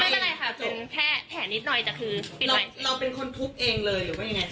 ไม่เป็นไรค่ะจนแค่แผลนิดหน่อยแต่คือเราเป็นคนทุบเองเลยหรือว่ายังไง